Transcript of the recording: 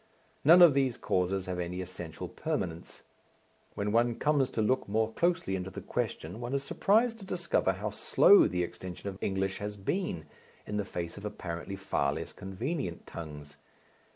None of these causes have any essential permanence. When one comes to look more closely into the question one is surprised to discover how slow the extension of English has been in the face of apparently far less convenient tongues.